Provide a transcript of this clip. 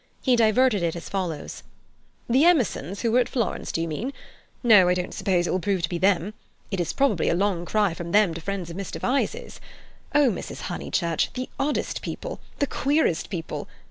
He diverted it as follows: "The Emersons who were at Florence, do you mean? No, I don't suppose it will prove to be them. It is probably a long cry from them to friends of Mr. Vyse's. Oh, Mrs. Honeychurch, the oddest people! The queerest people!